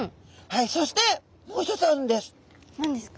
はいそしてもう一つあるんです。